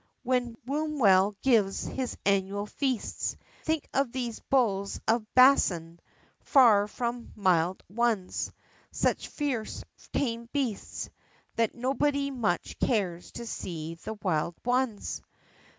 when Wombwell gives his annual feasts, Think of these "Bulls of Basan," far from mild ones; Such fierce tame beasts, That nobody much cares to see the Wild ones!